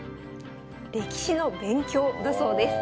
歴史の勉強だそうです。